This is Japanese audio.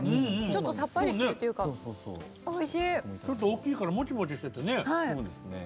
ちょっと大きいからモチモチしててね。